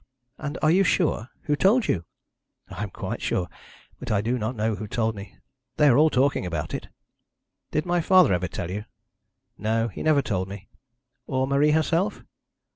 And are you sure? Who told you?' 'I am quite sure; but I do not know who told me. They are all talking about it.' 'Did my father ever tell you?' 'No, he never told me.' 'Or Marie herself?'